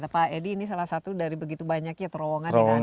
pak edi ini salah satu dari begitu banyaknya terowongan yang ada